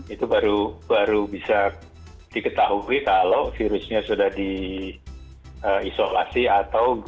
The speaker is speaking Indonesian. itu baru bisa diketahui kalau virusnya sudah diisolasi atau